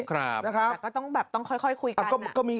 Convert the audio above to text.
ครับแต่ก็ต้องแบบต้องค่อยคุยกัน